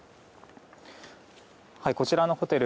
こちらのホテル